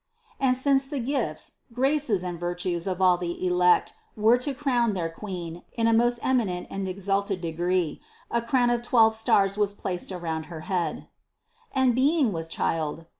And since the gifts, graces and virtues of all the elect were to crown their Queen in a most eminent and exalted de gree, a crown of twelve stars was placed around her head. 100. "And being with child."